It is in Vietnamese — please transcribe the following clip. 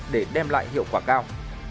để đem lại hiệu quả cao